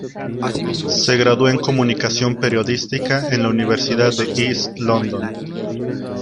Se graduó en comunicación periodística en la universidad de East London.